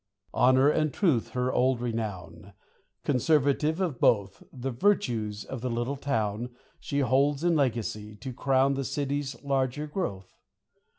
Honor and truth her old renown : Conservative of both, The virtues of the little town She holds in legacy, to crown The city's larger growth.